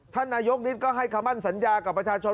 ท่านนายกนิดก็ให้คำมั่นสัญญากับประชาชน